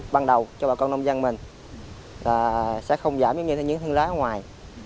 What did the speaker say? bắt đầu cho bà con nông dân mình sẽ không giảm như những thương lái ở ngoài